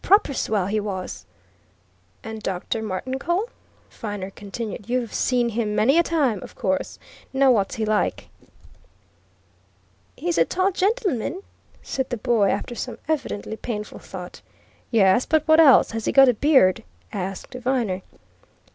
"Proper swell, he was!" "And Dr. Martincole?" Viner continued. "You've seen him many a time, of course. Now what's he like!" "He's a tall gentleman," said the boy, after some evidently painful thought. "Yes, but what else has he got a beard?" asked Viner.